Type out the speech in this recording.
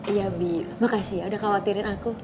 iya bi makasih udah khawatirin aku